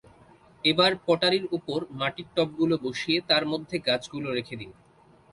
এবার পটারির ওপর মাটির টবগুলো বসিয়ে তার মধ্যে গাছগুলো রেখে দিন।